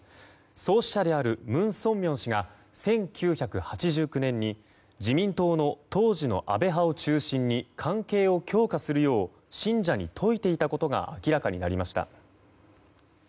創始者である文鮮明氏が１９８９年に自民党の当時の安倍派を中心に関係を強化するよう信者に説いていたことが明らかになりました。